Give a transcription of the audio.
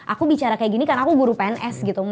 aku bicara kayak gini kan aku guru pns gitu